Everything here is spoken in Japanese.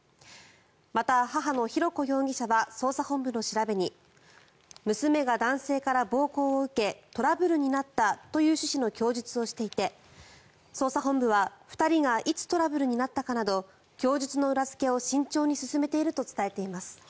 また、母の浩子容疑者は捜査本部の調べに娘が男性から暴行を受けトラブルになったという趣旨の供述をしていて捜査本部は、２人がいつトラブルになったかなど供述の裏付けを慎重に進めていると伝えています。